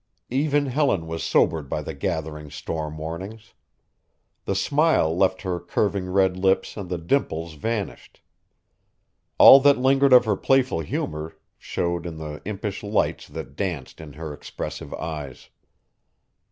Even Helen was sobered by the gathering storm warnings. The smile left her curving red lips and the dimples vanished. All that lingered of her playful humor showed in the impish lights that danced in her expressive eyes.